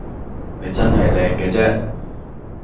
你真係靚嘅啫